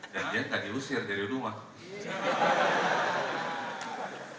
dan dia tadi usir dari rumah